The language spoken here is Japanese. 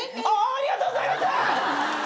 ありがとうございます！